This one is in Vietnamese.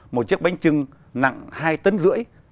một chiếc bánh trưng nặng hai tấn rưỡi